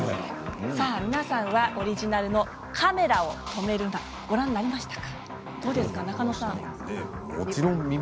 皆さんは、オリジナルの「カメラを止めるな！」ご覧になりましたか？